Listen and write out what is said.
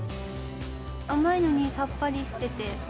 甘いのにさっぱりしてて。